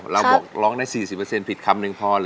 เราร้องได้๔๐ผิดคำหนึ่งพอเหรอ